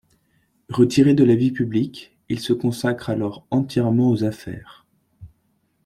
Retiré de la vie publique, il se consacre alors entièrement aux affaires.